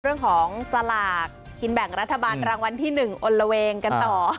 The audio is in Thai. เรื่องของสลากกินแบ่งรัฐบาลรางวัลที่๑อลละเวงกันต่อ